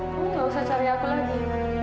lu gausah cari aku lagi